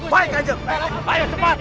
baik kandung sunan